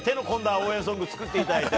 応援ソング作っていただいて。